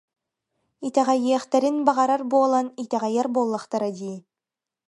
Итэҕэйиэхтэрин баҕарар буолан итэҕэйэр буоллахтара дии